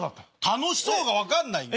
楽しそうが分かんないよ。